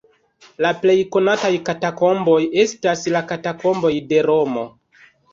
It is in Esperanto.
La plej konataj katakomboj estas la Katakomboj de Romo.